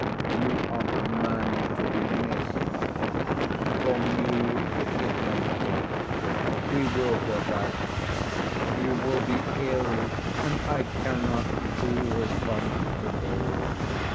You are a man to be missed. For me it is no matter. We will go back; you will be ill, and I cannot be responsible.